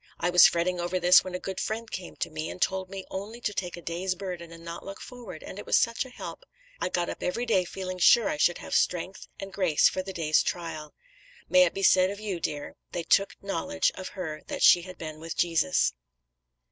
I was fretting over this when a good friend came to me, and told me only to take a day's burden and not look forward, and it was such a help. I got up every day feeling sure I should have strength and grace for the day's trial. May it be said of you, dear, "They took knowledge of her that she had been with Jesus."